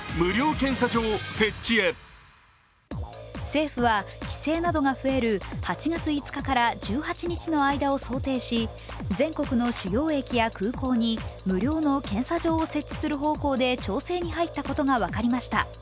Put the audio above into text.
政府は帰省などが増える８月５日から１８日の間を想定し全国の主要駅や空港に無料の検査場を設置する方向で調整に入ったことが分かりました。